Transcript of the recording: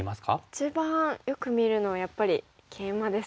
一番よく見るのはやっぱりケイマですか。